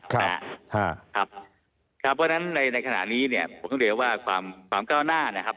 นะครับครับเพราะฉะนั้นในในขณะนี้เนี้ยผมต้องเรียกว่าความความเก้าหน้านะครับ